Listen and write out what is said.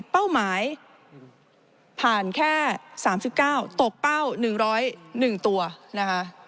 เป้าหมายผ่านแค่๓๙ตกเป้า๑๐๑ตัวนะคะ